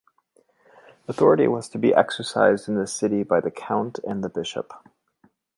Authority was to be exercised in the city by the Count and the Bishop.